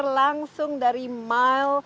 reklamasi tingkat timika yang dibesarkan